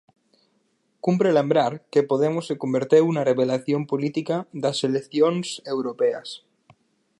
Cumpre lembrar que Podemos se converteu na revelación política das eleccións europeas.